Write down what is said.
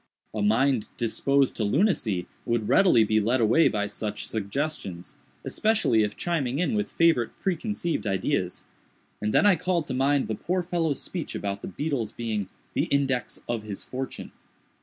A mind disposed to lunacy would readily be led away by such suggestions—especially if chiming in with favorite preconceived ideas—and then I called to mind the poor fellow's speech about the beetle's being "the index of his fortune."